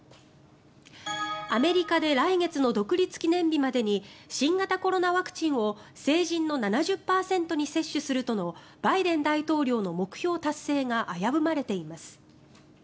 アメリカで来月の独立記念日までに新型コロナワクチンを成人の７０％に接種するとのバイデン大統領の目標達成が危ぶまれています。